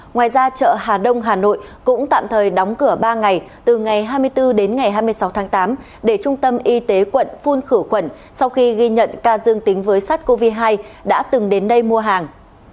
ngoài ra chợ hà đông hà nội cũng tạm thời đóng cửa ba ngày từ ngày hai mươi bốn hai mươi sáu tám để trung tâm y tế quận phun khử quận sau khi ghi nhận ca dương tính với sát covid một mươi chín đã từng đến đây mua hàng